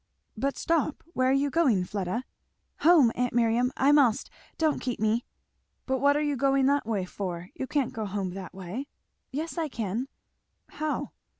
"But stop! where are you going, Fleda?" "Home, aunt Miriam I must don't keep me!" "But what are you going that way for? you can't go home that way?" "Yes I can." "How?"